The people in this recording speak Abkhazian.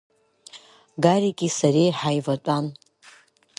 Гарики сареи ҳаиватәан.